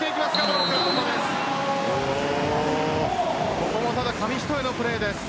ここも紙一重のプレーです。